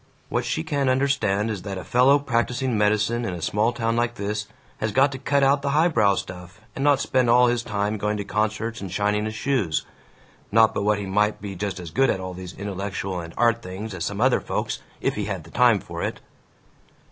What she can't understand is that a fellow practising medicine in a small town like this has got to cut out the highbrow stuff, and not spend all his time going to concerts and shining his shoes. (Not but what he might be just as good at all these intellectual and art things as some other folks, if he had the time for it!)"